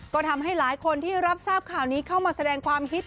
ก็ทำให้หลายคนที่รับทราบข่าวนี้เข้ามาแสดงความฮิต